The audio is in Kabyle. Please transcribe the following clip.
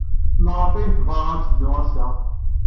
Maɣef ay tebɣa ad teddu ass-a?